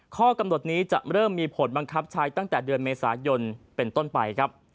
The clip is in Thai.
ข้อกำหนดนี้จะเริ่มมีผลบังคับใช้ตั้งแต่เดือนเมษายนเป็นต้นไปครับ